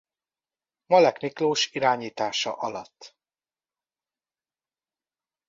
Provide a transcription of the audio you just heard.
Malek Miklós irányítása alatt.